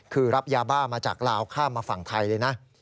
คือรับยาบ้ามาจากลาวข้ามมาฝั่งไทยเลยนะ